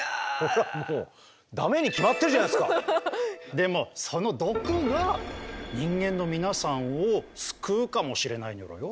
でもその毒が人間の皆さんを救うかもしれないニョロよ。